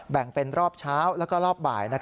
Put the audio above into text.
แบ่งเป็นรอบเช้าแล้วก็รอบบ่าย